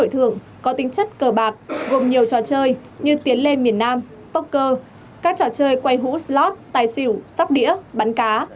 cùng nhiều trò chơi như tiến lên miền nam poker các trò chơi quay hũ slot tài xỉu sắp đĩa bắn cá